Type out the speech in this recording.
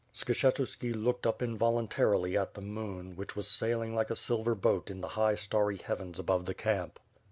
Skshetuski looked up involuntarily at the moon, which was sailing like a silver boat in the high starry heavens above the camp.